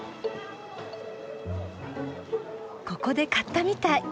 ここで買ったみたい。